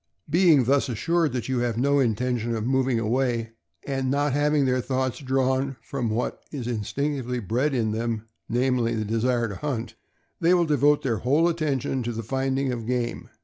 Being thus assured that you have no intention of moving away, and not having their thoughts drawn from what is instinctively bred in them, namely, the desire to hunt, they will devote their whole attention to the finding of game.